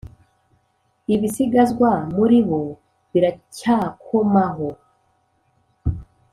Ibisigazwa muri bo biracyakomaho